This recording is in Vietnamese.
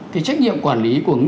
cái trách nhiệm quản lý của